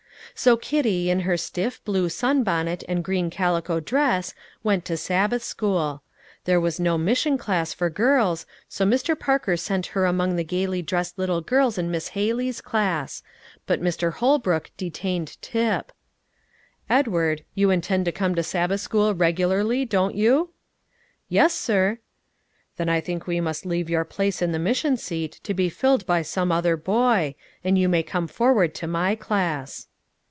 So Kitty, in her stiff blue sunbonnet and green calico dress, went to Sabbath school. There was no mission class for girls, so Mr. Parker sent her among the gaily dressed little girls in Miss Haley's class; but Mr. Holbrook detained Tip. "Edward, you intend to come to Sabbath school regularly, don't you?" "Yes, sir." "Then I think we must leave your place in the mission seat to be filled by some other boy, and you may come forward to my class."